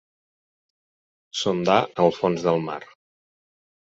Sondar el fons del mar.